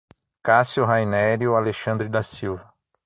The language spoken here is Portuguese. Cacio Rainerio Alexandre da Silva